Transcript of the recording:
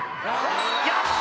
やった！